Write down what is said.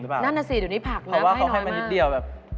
ถ้าน่ะสิเดี๋ยวนี้ผักน้ำให้น้อยมากเพราะว่าเขาให้มันนิดเดียวแบบ